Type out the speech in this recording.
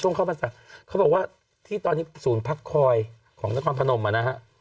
ช่วงเข้ามาสร้างเขาบอกว่าที่ตอนนี้สูญพักคอยของนครพนมอ่ะนะฮะ